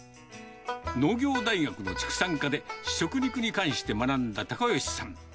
農業大学の畜産科で食肉に関して学んだ隆与さん。